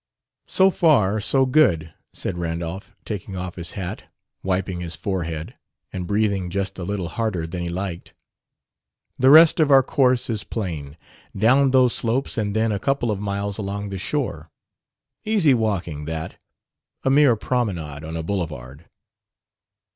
"So far, so good," said Randolph, taking off his hat, wiping his forehead, and breathing just a little harder than he liked. "The rest of our course is plain: down those slopes, and then a couple of miles along the shore. Easy walking, that; a mere promenade on a boulevard."